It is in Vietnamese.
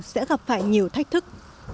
sẽ gặp phải nhiều thách thức